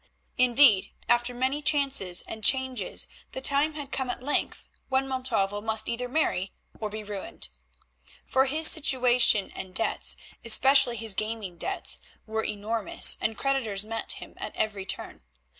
Indeed, after many chances and changes the time had come at length when Montalvo must either marry or be ruined. For his station his debts, especially his gaming debts, were enormous, and creditors met him at every turn.